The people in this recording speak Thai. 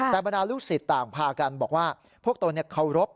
แต่บรรดาลูกสิทธิ์ต่างพากันบอกว่าพวกตัวเนี่ยเคารพ